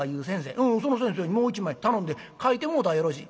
その先生にもう一枚頼んで描いてもうたらよろしい」。